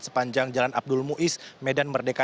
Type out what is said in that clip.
sepanjang jalan abdul muiz medan merdeka